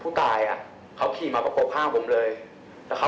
ผมก็จอดผมฟักเงินให้เขา